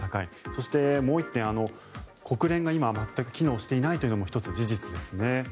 そして、もう１点、国連が今全く機能していないというのも１つ、事実ですね。